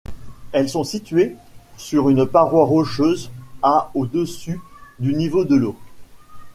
Elles sont situées sur une paroi rocheuse à au-dessus du niveau de l'eau.